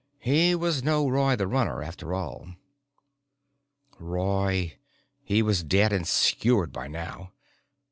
He was no Roy the Runner, after all. Roy! He was dead and sewered by now.